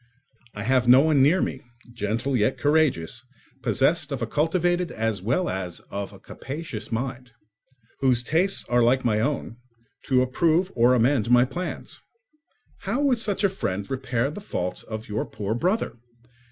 I have no one near me, gentle yet courageous, possessed of a cultivated as well as of a capacious mind, whose tastes are like my own, to approve or amend my plans. How would such a friend repair the faults of your poor brother!